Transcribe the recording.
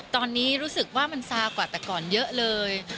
ตอนนี้รู้สึกว่ามันซากว่าแต่ก่อนเยอะเลย